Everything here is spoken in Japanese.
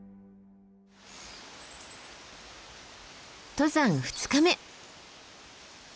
登山２日目。